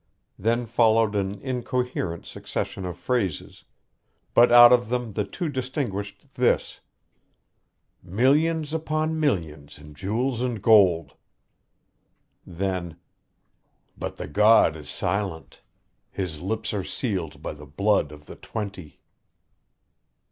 Then followed an incoherent succession of phrases, but out of them the two distinguished this, "Millions upon millions in jewels and gold." Then, "But the God is silent. His lips are sealed by the blood of the twenty."